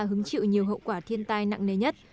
hứng chịu nhiều hậu quả thiên tai nặng nề nhất